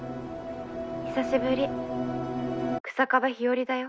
久しぶり日下部日和だよ。